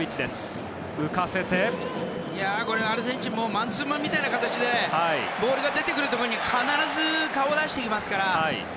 アルゼンチンもマンツーマンみたいな形でボールが出てくるところに必ず顔を出してきますから。